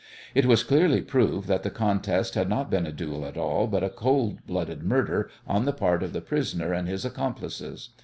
It was clearly proved that the contest had not been a duel at all, but a cold blooded murder on the part of the prisoner and his accomplices.